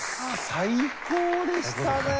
最高でしたね！